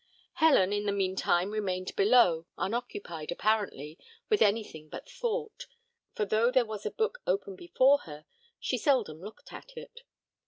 Helen in the mean time remained below, unoccupied, apparently, with anything but thought, for though there was a book open before her, she seldom looked at it.